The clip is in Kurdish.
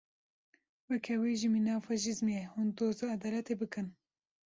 Wekhevî jî mîna faşîzmê ye, hûn doza edaletê bikin.